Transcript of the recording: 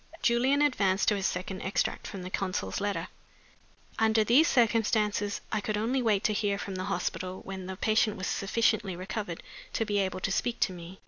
Julian advanced to his second extract from the consul's letter: "'Under these circumstances, I could only wait to hear from the hospital when the patient was sufficiently recovered to be able to speak to me.